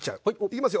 いきます